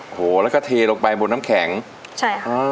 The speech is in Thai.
โหแล้วก็เทลงไปบนน้ำแข็งใช่ค่ะ